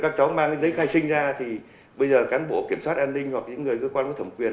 các cháu mang cái giấy khai sinh ra thì bây giờ cán bộ kiểm soát an ninh hoặc những người cơ quan có thẩm quyền